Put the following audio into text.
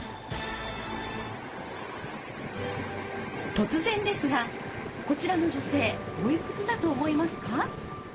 突然ですがこちらの女性おいくつだと思いますか？